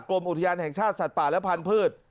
กรมอุทยานแห่งชาติสัตว์ป่าและพันธุ์